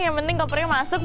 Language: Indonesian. yang penting kopernya masuk